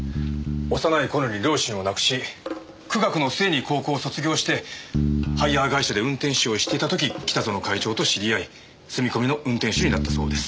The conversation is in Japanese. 幼い頃に両親を亡くし苦学の末に高校を卒業してハイヤー会社で運転手をしていた時北薗会長と知り合い住み込みの運転手になったそうです。